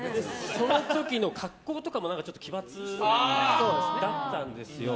その時の格好とかもちょっと奇抜だったんですよ。